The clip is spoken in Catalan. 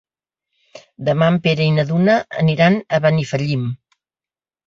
Demà en Pere i na Duna aniran a Benifallim.